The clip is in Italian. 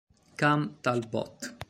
Cam Talbot